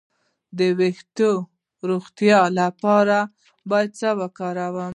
د ویښتو د روغتیا لپاره باید څه وکړم؟